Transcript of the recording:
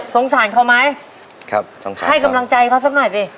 สงสารเค้าไหม